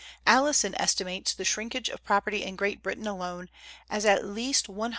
Alison estimates the shrinkage of property in Great Britain alone as at least £100,000,000.